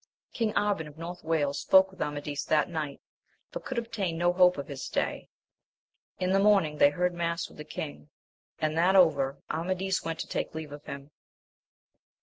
King Arban of North Wales spoke with Amadis that night, but could obtain no hope of his stay. In the morning they heard mass with the king ; and that over, Amadis went to take leave of him.